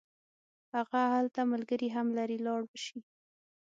هغه هلته ملګري هم لري لاړ به شي.